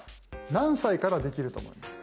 何歳からできると思いますか？